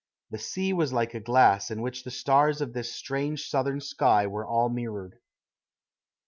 The sea was like a glass in which the stars of this strange southern sky were all mirrored.